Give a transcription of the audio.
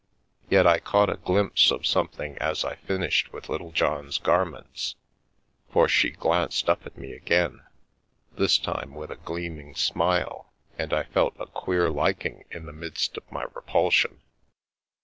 Yet I caught a glimpse of something as I finished with Little john's garments, for she glanced up at me again, this time with a gleaming smile, and I felt a queer liking in the midst of my repulsion.